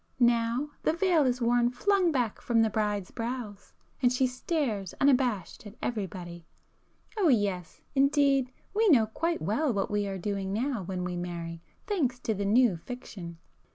Now the veil is worn flung back from the bride's brows, and she stares unabashed at everybody,—oh yes, indeed we know quite well what we are doing now when we marry, thanks to the 'new' fiction!"